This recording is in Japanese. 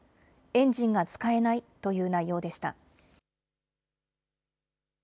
エンジンが使えないという内容でした。